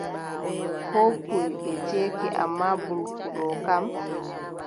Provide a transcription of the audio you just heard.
Koo kuɗi ɓe ceeki ammaa mbulku ɗoo kam,